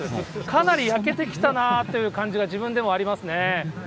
かなり焼けてきたなーという感じが、自分でもありますね。